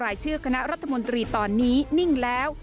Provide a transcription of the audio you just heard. รายชื่อคณะรัฐมนตรีตอนนี้นิ่งแล้ว